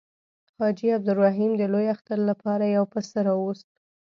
حاجي عبدالرحیم د لوی اختر لپاره یو پسه راووست.